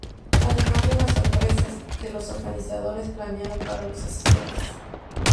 Además de las sorpresas que los organizadores planearon para los asistentes.